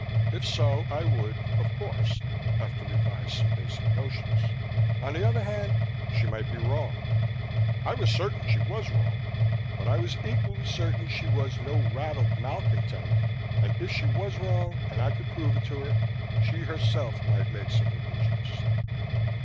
If so, I would, of course, have to revise some basic notions. On the other hand, she might be wrong. I was certain she was wrong. But I was equally certain she was no raddled malcontent and if she was wrong, and I could prove it to her, she herself might make some revisions.